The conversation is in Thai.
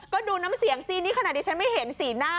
ก็ดูน้ำเสียงสินี่ขนาดที่ฉันไม่เห็นสีหน้า